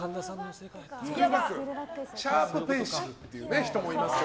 シャープペンシルっていう人もいますね。